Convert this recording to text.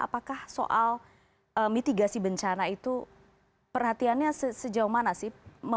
apakah soal mitigasi bencana itu perhatiannya sejauh mana sih